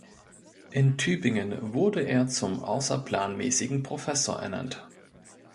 In Tübingen wurde er zum außerplanmäßigen Professor ernannt.